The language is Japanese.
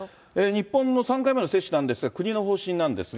日本の３回目の接種なんですが、国の方針なんですが。